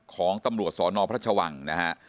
ของตำรวจสนพระชวังนะฮะ